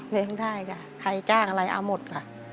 เพลงได้ค่ะใครจ้างอะไรเอาหมดค่ะ